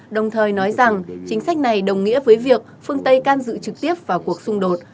đồng thời nói rằng chính sách này đồng nghĩa với việc phương tây can dự trực tiếp vào cuộc xung đột